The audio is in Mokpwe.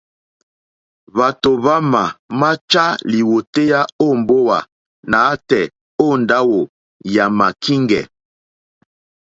Hwátò hwámà máchá lìwòtéyá ó mbówà nǎtɛ̀ɛ̀ ó ndáwò yàmá kíŋgɛ̀.